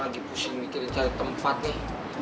lagi pusing mikirin cari tempat nih